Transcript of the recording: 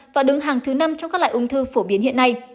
và đứng hàng thứ năm trong các loại ung thư phổ biến hiện nay